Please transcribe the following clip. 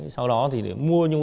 sau đó thì mua những